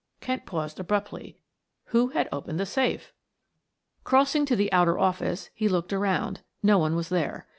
Kent paused abruptly. Who had opened the safe? Crossing to the outer office he looked around; no one was there.